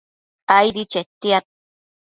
aidi chetiad